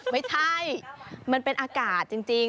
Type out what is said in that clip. ไม่ใช่มันเป็นอากาศจริง